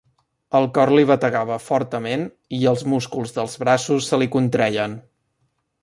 El cor li bategava fortament, i els músculs dels braços se li contreien.